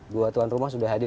dua tuan rumah sudah hadir